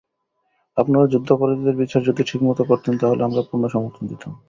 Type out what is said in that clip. আপনারা যুদ্ধাপরাধীদের বিচার যদি ঠিকমতো করতেন তাহলে আমরা পূর্ণ সমর্থন দিতাম।